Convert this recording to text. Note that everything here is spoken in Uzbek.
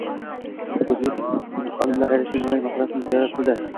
O‘zbek olimlari Alisher Navoiy maqbarasini ziyorat qildi